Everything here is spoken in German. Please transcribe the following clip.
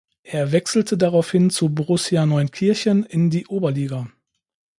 Er wechselte daraufhin zu Borussia Neunkirchen in die Oberliga.